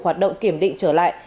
hoạt động kiểm định trở lại